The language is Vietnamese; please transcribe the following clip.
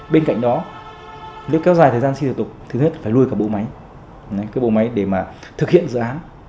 bên cạnh đó nếu kéo dài thời gian xin thủ tục thứ nhất phải lui cả bộ máy để thực hiện dự án